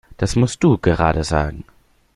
Das musst du gerade sagen!